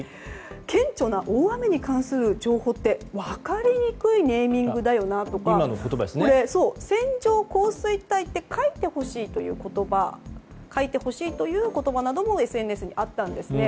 顕著な大雨に関する情報って分かりにくいネーミングだよなとか線状降水帯って書いてほしいという言葉などもＳＮＳにあったんですね。